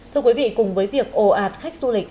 thưa quý vị cùng với việc ồ ạt khách du lịch